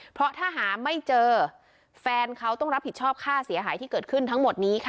เพราะถ้าหาไม่เจอแฟนเขาต้องรับผิดชอบค่าเสียหายที่เกิดขึ้นทั้งหมดนี้ค่ะ